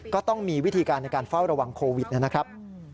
ก็ต้องมีวิธีการในการเฝ้าระวังโควิดนะครับ